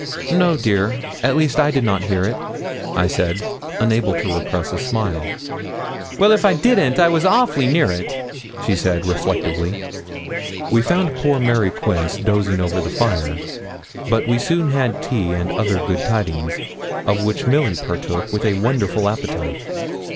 'No, dear; at least, I did not hear it,' I said, unable to repress a smile. 'Well, if I didn't, I was awful near it,' she said, reflectively. We found poor Mary Quince dozing over the fire; but we soon had tea and other good things, of which Milly partook with a wonderful appetite.